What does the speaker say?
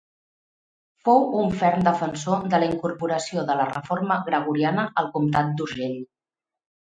Fou un ferm defensor de la incorporació de la reforma gregoriana al comtat d'Urgell.